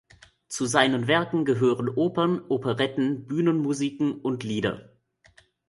Zu seinen Werken gehören Opern, Operetten, Bühnenmusiken und Lieder.